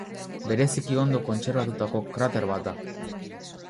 Bereziki ondo kontserbatutako krater bat da.